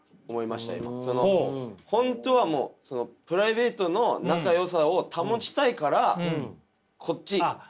本当はプライベートの仲よさを保ちたいからこっち。